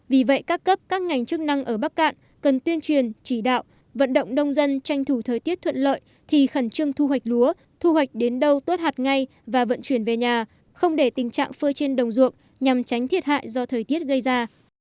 vì vậy các cấp các ngành chức năng ở bắc cạn cần tuyên truyền chỉ đạo vận động nông dân tranh thủ thời tiết thuận lợi thì khẩn trương thu hoạch lúa thu hoạch đến đâu tuốt hạt ngay và vận chuyển về nhà không để tình trạng phơi trên đồng ruộng nhằm tránh thiệt hại do thời tiết gây ra